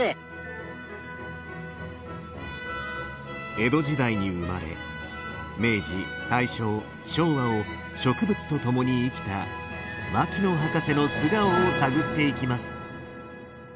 江戸時代に生まれ明治大正昭和を植物と共に生きた牧野博士の素顔を探っていきます。